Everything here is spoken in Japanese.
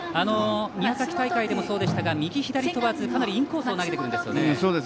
宮崎大会でもそうでしたが右左問わずかなりインコースを投げてくるんですよね。